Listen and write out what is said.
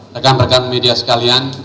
rekan rekan media sekalian